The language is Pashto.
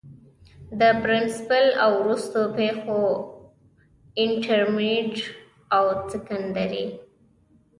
د پرنسپل او وروستو پيښورانټرميډيټ او سکنډري